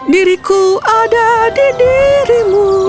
diriku ada di dirimu